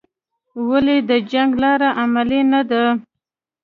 ولې د جنګ لاره عملي نه ده؟